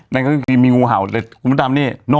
นั่นก็คือมีงูเห่าคุณตามนี่นก